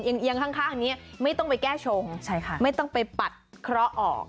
เอียงข้างนี้ไม่ต้องไปแก้ชงใช่ค่ะไม่ต้องไปปัดเคราะห์ออก